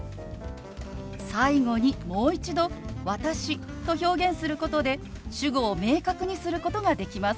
最後にもう一度「私」と表現することで主語を明確にすることができます。